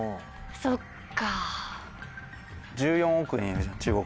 そっか。